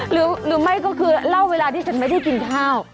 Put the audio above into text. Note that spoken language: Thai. หรือไม่ก็คือเล่าเวลาที่ฉันไม่ได้กินข้าว